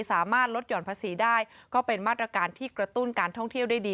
สามารถลดหย่อนภาษีได้ก็เป็นมาตรการที่กระตุ้นการท่องเที่ยวได้ดี